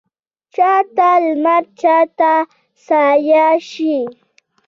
چا ته لمر چا ته سایه شي